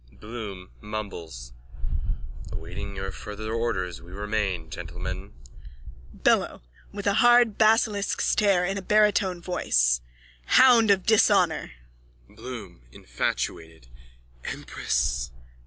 _ BLOOM: [unintelligible] Awaiting your further orders we remain, gentlemen,... BELLO: (With a hard basilisk stare, in a baritone voice.) Hound of dishonour! BLOOM: (Infatuated.) Empress!